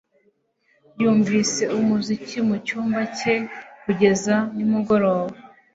yumvise umuziki mu cyumba cye kugeza nimugoroba